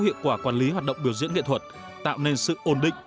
hiệu quả quản lý hoạt động biểu diễn nghệ thuật tạo nên sự ổn định